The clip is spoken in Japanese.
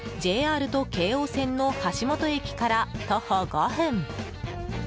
ＪＲと京王線の橋本駅から徒歩５分